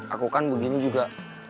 aku kan begini juga